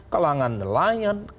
kalangan nelayan kalangan buruk